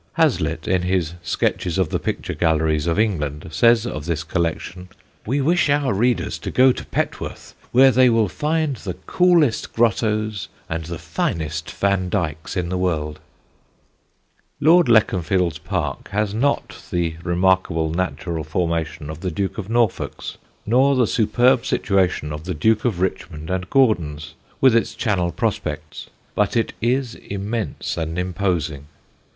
Hazlitt, in his Sketches of the Picture Galleries of England, says of this collection: "We wish our readers to go to Petworth ... where they will find the coolest grottoes and the finest Vandykes in the world." [Sidenote: A PICTORAL PARK] Lord Leconfield's park has not the remarkable natural formation of the Duke of Norfolk's, nor the superb situation of the Duke of Richmond and Gordon's, with its Channel prospects, but it is immense and imposing.